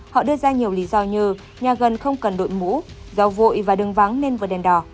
họ đưa ra nhiều lý do như nhà gần không cần đội mũ do vội và đường vắng nên vượt đèn đỏ